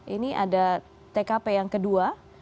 ini ada tkp yang kedua